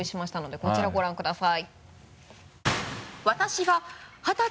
こちらご覧ください。